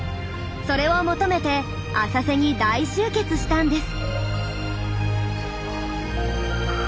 それを求めて浅瀬に大集結したんです。